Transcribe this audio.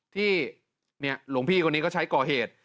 ที่หลวงพี่คนนี้ก็ใช้ก่อเหตุ